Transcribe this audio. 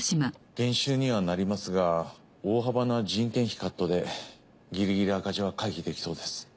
減収にはなりますが大幅な人件費カットでギリギリ赤字は回避できそうです。